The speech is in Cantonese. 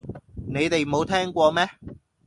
你哋冇聽過咩